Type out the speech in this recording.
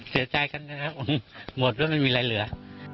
เสียใจกันนะครับผมหมดแล้วไม่มีอะไรเหลือ